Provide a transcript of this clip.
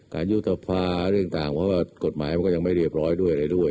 การยุตภาพเรื่องต่างเพราะว่ากฎหมายก็ยังไม่เรียบร้อยด้วย